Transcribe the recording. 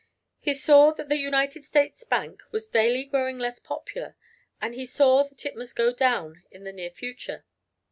He saw that the United States Bank was daily growing less popular, and he saw that it must go down in the near future.